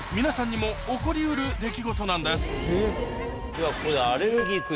これではここで。